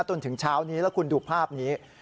จนถึงเช้านี้แล้วคุณดูภาพนี้